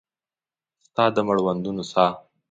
ستا د مړوندونو ساه